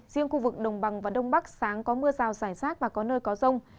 riêng khu vực đồng bằng và đông bắc sáng có mưa rào rải rác và có nơi có rông